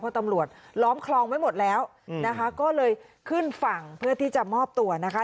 เพราะตำรวจล้อมคลองไว้หมดแล้วนะคะก็เลยขึ้นฝั่งเพื่อที่จะมอบตัวนะคะ